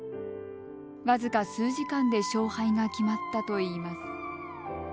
僅か数時間で勝敗が決まったといいます。